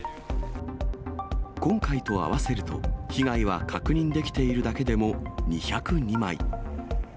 今回と合わせると、被害は確認できているだけでも２０２枚。